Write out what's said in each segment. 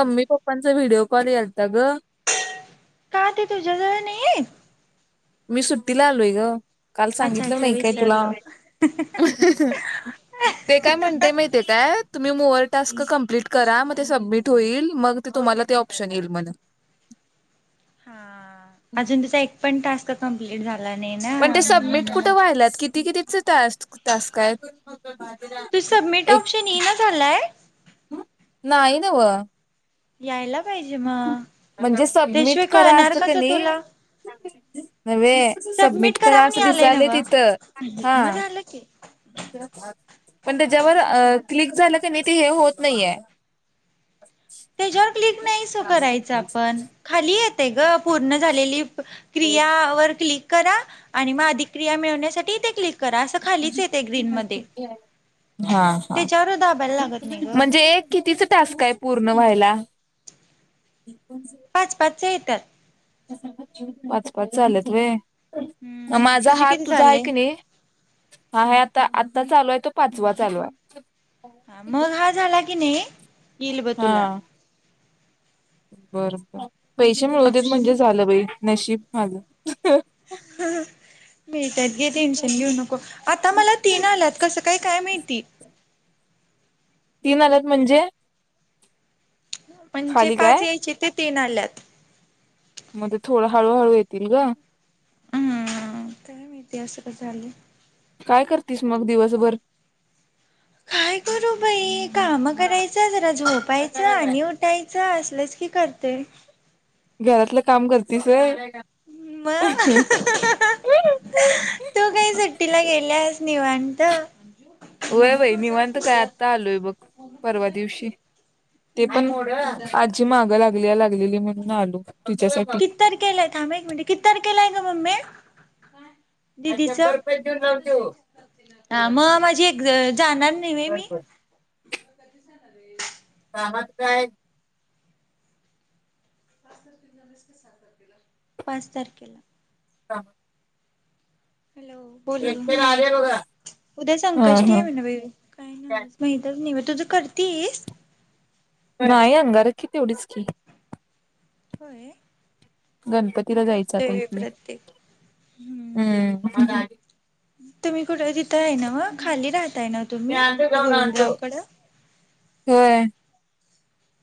Mummy पप्पांचा video- कोण आलत ग? का ते तुझ्याजवळ नाहीये? मी सुट्टीला आलोय ग. काल अच्छा सांगितलं अच्छा नाही काय तुला? विसरलो. ते काय म्हणतय माहितीय का? मी मोअर टास्क कमप्लीट करा. मग ते सबमिट होईल. मग ते तुम्हाला ते ऑप्शन येईल म्हणे. हा अजून तिचा एक पण टास्क- ते कंप्लीट झाल. पण, ते सबमिट कुठं व्हायलात? किती कितीचेत? टास्क -टास्क काय? तो सबमिट ऑप्शन येईना झालाय- नाही नव्ह. यायला पाहिजे मग म्हणजे सबमिट त्याशिवाय करा कळणार असत का कसं नाही, तुला? नव्हे सबमिट करा म्हणून असं यालय दिसायल नव्ह तिथं मग हा. झालं की. पण त्याच्यावर अ क्लिक झालं की नाही ते हे होत नाहिये. त्याच्यावर क्लिक नाहीच - करायचं आपण- खाली- येतय गं. पूर्ण झालेली क्रियावर क्लिक- करा. आणि म अधिक क्रिया मिळवण्यासाठी तइथे क्लिक- करा असं खालीच येतय ग्रीन मध्ये. हा हा त्याच्यावर दाबायला लागत नाही ग म्हणजे एक कितीचं टास्क आहे? पूर्ण व्हायला. [unintelligible] पाच पाचचे आहेत. तर- पाच पाचचं आलेत व्हय? हम्म. माझा तुझे हात किती तुझा आहे चालले? कनी? हा आहे आता आ- आत्ता चालू आहे तो पाचवा चालू आहे. हा, मग हा झाला की नाही- इ ल बं तुला- हा बर बर. पैसे मिळूदेत ऑप्शन. म्हणजे झालं बाई. नशीब माझं. हं मिळत्यात ते टेन्शन घेऊ नको. आत्ता मला तीन आल्यात कसं काय? काय माहित? ती. तीन आल्यात म्हणजे म्हणजे खाली पाच काय यायचे ते तीन आल्यात मध्ये थोडं हळूहळू येतील गं हम् काय माहिती असं का झालंय काय करतीस मग दिवसभर काय करू बाई कामं करायचं जरा झोपायचं आणि उठायचं काय असलच की करते घरातलं काम करतीस व्हय मग तू काही सुट्टीला गेल्यास निवान वय बाई निवांत काय आत्ता आलोय बघ परवा दिवशी ते पण मोरं आज्जी मागं लागल्या लागलेली म्हणून आलू किती तारखेलाय थांब हं एक मिनिटं किती तारखेलाय मम्मे दिदीचं हा मग माझी एग जाणार नाही व्हय मी आहात काय? अस त- पाच तारखेला. का? हॅलो बोल ग. उद्या हा संकष्टी हा आहे नव्हे. काय नव्हचं बाई म तर निवद तूझ करतीस? नाही अंगारकी तेवढीच की. होय? मी गणपतीला जायचं करतोय आता बाई इथल्या. प्रत्येक हम्म. तुम्ही कुठं तिथं हाय नव्ह? खाली राह- ताय नव्ह तुम्ही इत गोविंदरावकड.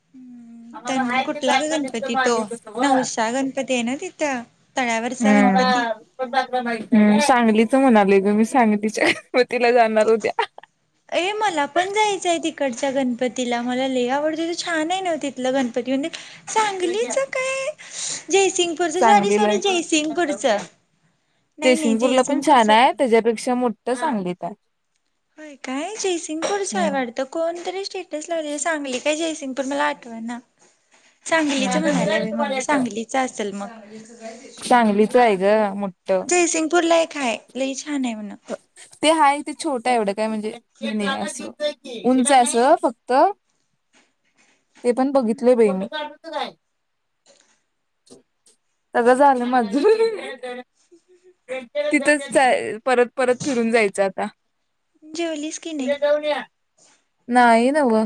[unintelligible] हम. कुठला ग गणपती तो नवसा गणपती आहे ना तिथं तळ्यावरचा गणपती हम. सांगलीच म्हणालोय- मी सांगलीच्या गणपतीला जाणार उद्या. ए मला पण जायचंय ती- कडच्या गणपतीला. मला लयी आवडतय त छान आहे ना तिथलं गणपती मंदीर. सांगलीच काय जयसिंगपूरच? साॅरी सांगलीला सॉरी जयसिंगपूरच, आहे नाही नाही जयसिंगपूरला पण जयसिंगपूरच. ताय. होय काय. जयसिंगपुरचाय वाटत कोणतरी स्टेटस लावलेल सांगली काय जयसिंग- गपूर मला आठवना. सांगलीच म्हणाल्या बाई मम्मी, सांगलीच असल म. सांगलीच आहे ग मोठ [unintelligible] जयसिंगपूरला एक हाय लई छान हाय म्हण. ते हाय ते छोटाय, एवढं काय म्हणजे हे नाही असं. उंचाय अस फक्त ते पण बघितलंय बाई मी. सगळ झालं माझ तिथंच जाय परत- परत फिरून जायचं आता. जेवलीस की नाही? नाही नव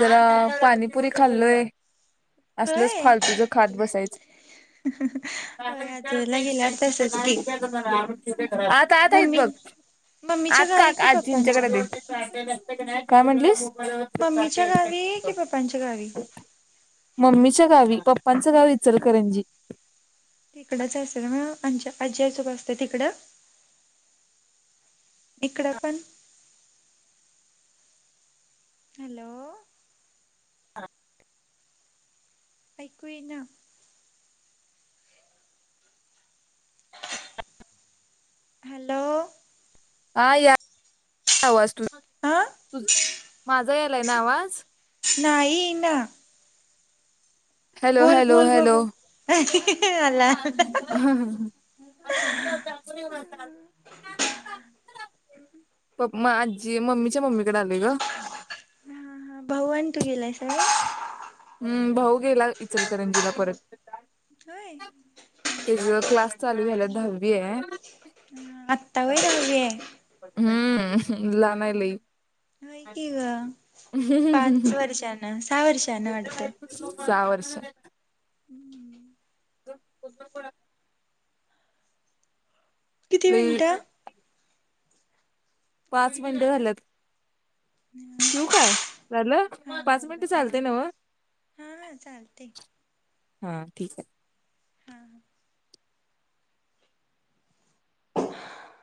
जरा पाणीपुरी खाल्लोय. असलच होय फालतूच खात बसायचं. होय आजोळला गेल्यावर तसंच की आत आत हायीत मम्मी बघ. मम्मीच्या आत का गावी की आजींच्याकड पप्पांच्या दे. काय म्हटलीस? मम्मीच्या गावी कि पप्पांच्या गावी? मम्मीच्या गावी. पप्पांच गाव इचलकरंजी. तिकडंच हायीस होय मग? अंजी आजीआजोबा असत्या तिकडं? इकडं पण- हॅलो ऐकून. हॅलो. हा या. आवाज तू हा तुझ माझ. ना आवाज नाहीई ना हॅलो, हॅलो, हॅलो, बघू आला हा माझी म्मीच्या मम्मी हा हा भववन तू गेलायस वय, हम्म भाऊ गेला इचलकरंजीला, परत होय त्याच्या क्लास, चालू ये दहावी, आहे आत्ता हम्म लहान आहे लई ऐकि्‌-पाच वर्ष, सहा वाटतं सहा वर्ष को को [unintelligible] किती मिनिटं पाच मिनटं बोलूया झाल्यात ठेऊ काय झालं हा पाच बरं मिनिट बरं हा चालते नाव हा हा चालते हा ठीक आहे हा‌ हा [unintelligible]